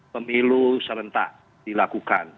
pemilu serentak dilakukan